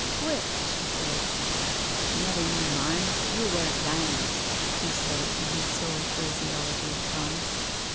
Quit," she said. Never you mind. You'll wear diamonds," he said, in his sole phraseology of promise.